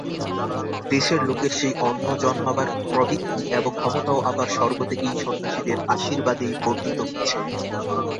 দেশের লোকের সেই অন্ন জন্মাবার প্রবৃত্তি এবং ক্ষমতাও আবার সর্বত্যাগী সন্ন্যাসীদের আশীর্বাদেই বর্ধিত হচ্ছে।